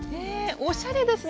おしゃれですね！